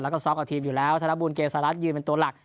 แล้วก็ซอกกับทีมอยู่แล้วธนบุญเกษรัสยืนเป็นตัวหลัก